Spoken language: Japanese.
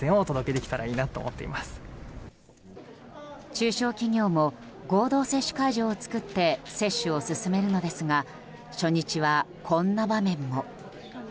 中小企業も合同接種会場を作って接種を進めるのですが初日は、こんな場面も。